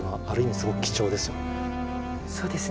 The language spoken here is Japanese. すごく貴重ですよね。